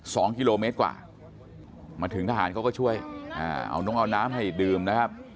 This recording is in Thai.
สองกิโลเมตรกว่ามาถึงทหารเขาก็ช่วยอ่าเอาน้องเอาน้ำให้ดื่มนะครับ